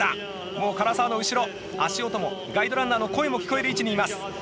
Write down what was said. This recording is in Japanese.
もう唐澤の後ろ足音もガイドランナーの声も聞こえる位置にいます。